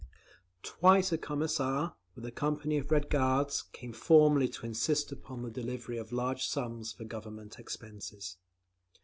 Twice a Commissar, with a company of Red Guards, came formally to insist upon the delivery of large sums for Government expenses.